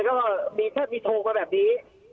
ก็มีแค่มีโทรมาแบบนี้